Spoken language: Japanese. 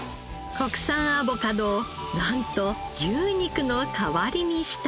国産アボカドをなんと牛肉の代わりにしたひと品。